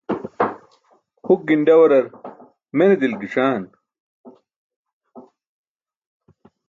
Huk ginḍawarar mene dilk gi̇c̣aan?